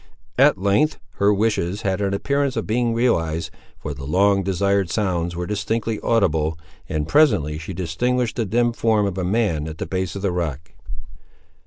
At length, her wishes had an appearance of being realised, for the long desired sounds were distinctly audible, and presently she distinguished the dim form of a man at the base of the rock.